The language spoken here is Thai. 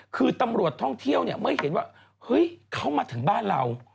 คือตำรวจท่องเที่ยวเนี่ยเมื่อเห็นว่าเฮ้ยเขามาถึงบ้านเรา